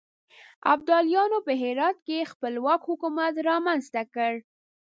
ابدالیانو په هرات کې خپلواک حکومت رامنځته کړ.